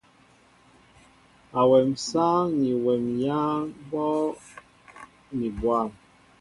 Awem sááŋ ni wem yááŋ ɓóoŋ mi bwăm.